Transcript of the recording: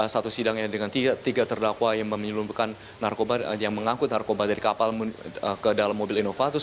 satu sidang yang dengan tiga terdakwa yang menyelumpukan narkoba yang mengangkut narkoba dari kapal ke dalam mobil inovatus